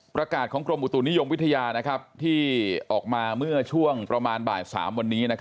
ประกาศของกรมอุตุนิยมวิทยาที่ออกมาเมื่อช่วงประมาณบ่าย๓วันนี้